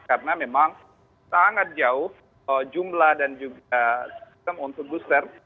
karena memang sangat jauh jumlah dan juga sistem untuk booster